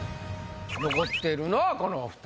残っているのはこのお２人。